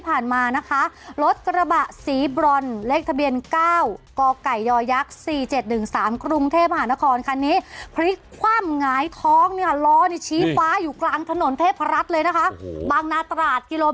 โปรดติดตามตอนต่อไป